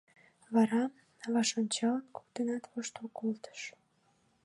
Вара, ваш ончалын, коктынат воштыл колтышт.